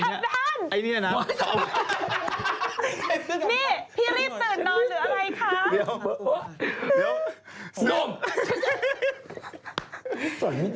นี่นะพี่รีบตื่นนอนหรืออะไรคะ